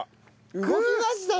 動きましたね。